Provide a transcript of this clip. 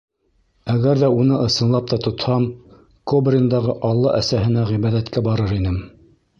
Әгәр ҙә уны ысынлап та тотһам, Кобрендағы Алла әсәһенә ғибәҙәткә барыр инем.